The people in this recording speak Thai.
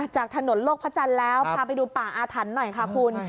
จากถนนโลกพระจันทร์แล้วพาไปดูป่าอาถรรพ์หน่อยค่ะคุณ